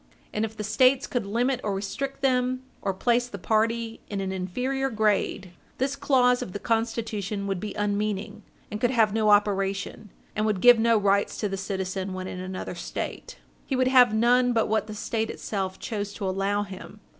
And if the States could limit or restrict them, or place the party in an inferior grade, this clause of the Constitution would be unmeaning, and could have no operation, and would give no rights to the citizen when in another State. He would have none but what the State itself chose to allow him.